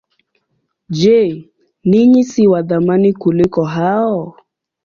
Je, ninyi si wa thamani kuliko hao?